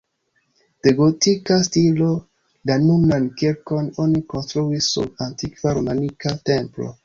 De gotika stilo, la nunan kirkon oni konstruis sur antikva romanika templo.